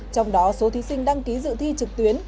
trong đó số thí sinh đăng ký dự thi trực tuyến